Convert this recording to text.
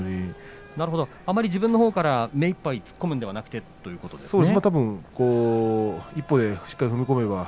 なるほど自分から目いっぱい突っ込んでいくのではなくてということですね。